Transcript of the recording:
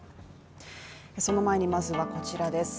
その前にまずはこちらです。